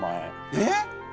えっ！？